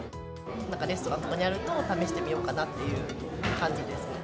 なんかレストランとかにあると、試してみようかなという感じです。